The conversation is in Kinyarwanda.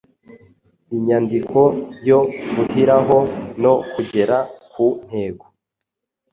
inyandiko yo guhiraho no kugera ku ntego